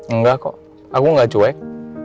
enggak kok aku gak cuek